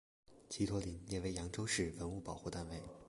祗陀林列为扬州市文物保护单位。